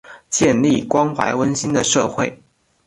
建立关怀温馨的社会